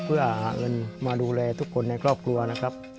เพื่อหาเงินมาดูแลทุกคนในครอบครัวนะครับ